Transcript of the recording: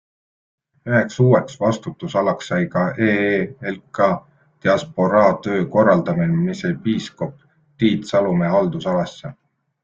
Üheks uueks vastutusalaks sai ka EELK diasporaatöö korraldamine, mis jäi piiskop Tiit Salumäe haldusalasse.